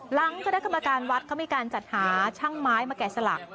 หลังคณะกรรมการวัดเขามีการจัดหาช่างไม้มาแกะสลัก